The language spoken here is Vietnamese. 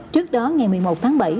trước đó ngày một mươi một tháng bảy